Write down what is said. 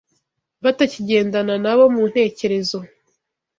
batakigendana na bo mu ntekerezo